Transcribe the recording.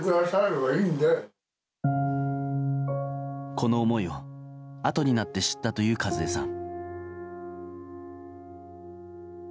この思いをあとになって知ったという一枝さん。